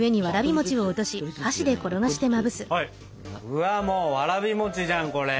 うわもうわらび餅じゃんこれ。